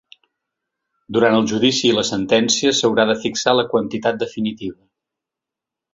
Durant el judici i la sentència s’haurà de fixar la quantitat definitiva.